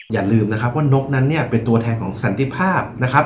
อย่าลืมนะครับว่านกนั้นเนี่ยเป็นตัวแทนของสันติภาพนะครับ